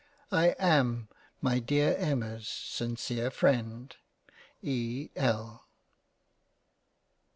I am my dear Emmas sincere freind E. L.